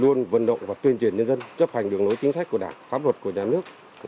luôn vận động và tuyên truyền nhân dân chấp hành đường lối chính sách của đảng pháp luật của nhà nước